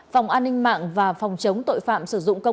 phòng an ninh mạng và phòng chống tội phạm sử dụng công an